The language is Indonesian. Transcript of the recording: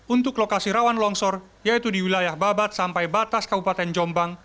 untuk lokasi rawan longsor yaitu di wilayah babat sampai batas kabupaten jombang